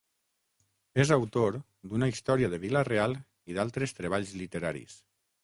És autor d'una història de Vila-real i d'altres treballs literaris.